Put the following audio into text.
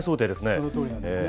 そのとおりなんですね。